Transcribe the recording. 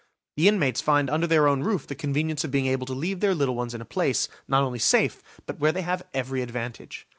The inmates find under their own roof the convenience of being able to leave their little ones in a place, not only safe, but where they have every advantage.